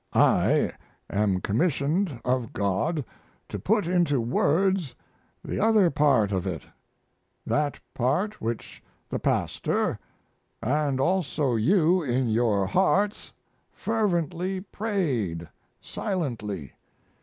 I am commissioned of God to put into words the other part of it that part which the pastor and also you in your hearts fervently prayed, silently.